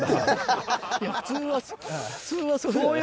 普通は普通はそう。